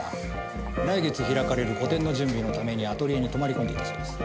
来月開かれる個展の準備のためにアトリエに泊まり込んでいたそうです。